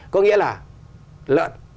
có nghĩa là lợn